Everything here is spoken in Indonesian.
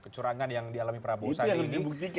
kecurangan yang dialami prabowo sadiq